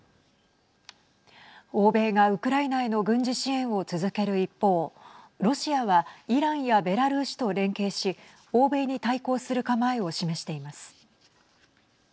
欧米がウクライナへの軍事支援を続ける一方ロシアはイランやベラルーシと連携し欧米に対抗する構えを示しています。